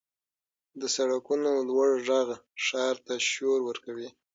• د سړکونو لوړ ږغ ښار ته شور ورکوي.